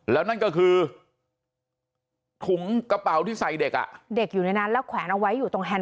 แล้วนั่นก็คือถุงกระเป๋าที่ใส่เด็กฮะ